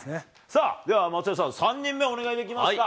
さあ、では松也さん、３人目、お願いできますか。